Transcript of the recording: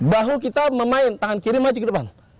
bahu kita memain tangan kiri maju ke depan